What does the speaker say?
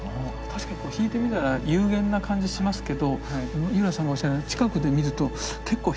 確かに引いてみたら幽玄な感じしますけど井浦さんがおっしゃるように近くで見ると結構筆致が激しい。